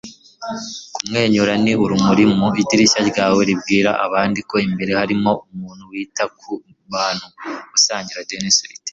kumwenyura ni urumuri mu idirishya ryawe ribwira abandi ko imbere harimo umuntu wita ku bantu, usangira. - denis waitley